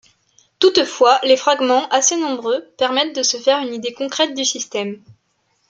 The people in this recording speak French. Toutefois, les fragments, assez nombreux, permettent de se faire une idée concrète du système.